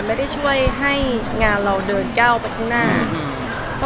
ไม่ได้ช่วยให้งานเราเดินก้าวไปข้างหน้าอืม